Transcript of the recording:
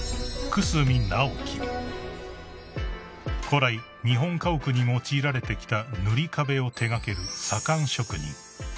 ［古来日本家屋に用いられてきた塗り壁を手掛ける］